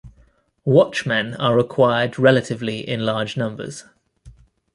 Watchmen are required relatively in larger numbers.